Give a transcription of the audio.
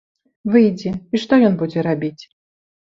Выйдзе, і што ён будзе рабіць?